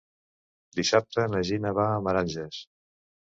Dissabte na Gina va a Meranges.